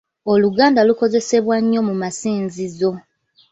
Oluganda lukozesebwa nnyo mu masinzizo.